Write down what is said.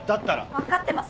分かってますって。